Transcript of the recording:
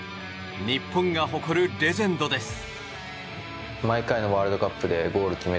日本が誇るレジェンドです。